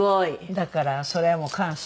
だからそれはもう感謝。